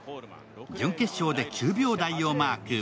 準決勝で９秒台をマーク。